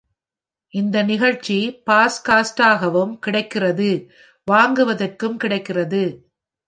இந்த நிகழ்ச்சி பாட்காஸ்டாகவும் கிடைக்கிறது, வாங்குவதற்கு கிடைக்கிறது.